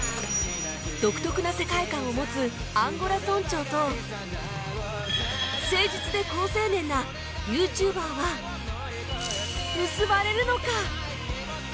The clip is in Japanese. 独特な世界観を持つアンゴラ村長と誠実で好青年なユーチューバーは結ばれるのか？